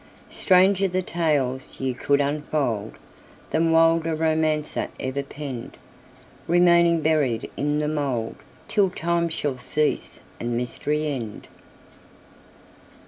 Stranger the tales ye could unfoldThan wild romancer ever penned, Remaining buried in the mouldTill time shall cease, and mystery end!